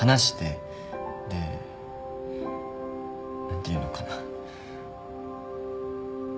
何ていうのかな。